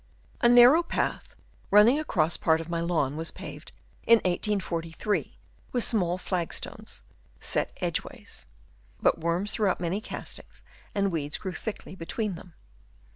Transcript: A narrow path running across part of my lawn was paved in 1843 with small flag stones, set edgeways ; but worms threw up many castings and weeds grew thickly be tween them.